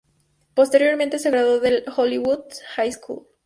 Posteriormente se graduó en la Hollywood High School.